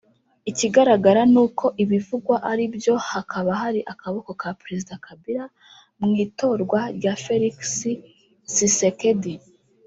Ikigaragara n’uko niba ibivugwa ari byo hakaba hari akaboko ka Perezida Kabila mu itorwa rya Félix Tshisekedi